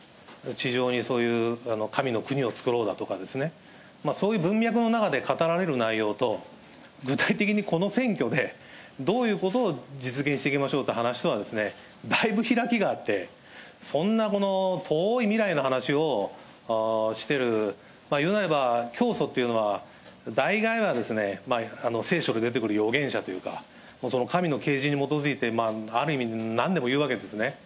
地上にそういう神の国を作ろうだとかですね、そういう文脈の中で語られる内容と、具体的にこの選挙でどういうことを実現していきましょうという話とは、だいぶ開きがあって、そんな遠い未来の話をしてる、いうなれば教祖っていうのは、大概は、聖書で出てくる預言者というか、その神の啓示に基づいて、ある意味、なんでも言うわけですね。